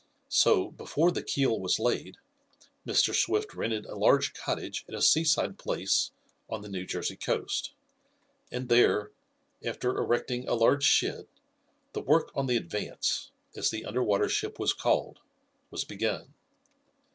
So, before the keel was laid, Mr. Swift rented a large cottage at a seaside place on the New Jersey coast and there, after erecting a large shed, the work on the Advance, as the under water ship was called, was begun.